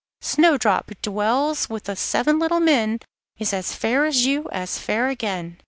Snowdrop, who dwells with the seven little men, Is as fair as you, as fair again.